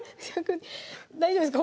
大丈夫ですか？